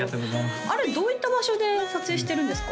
あれどういった場所で撮影してるんですか？